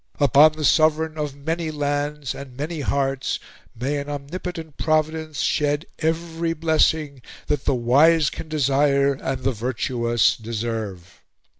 Upon the Sovereign of many lands and many hearts may an omnipotent Providence shed every blessing that the wise can desire and the virtuous deserve!"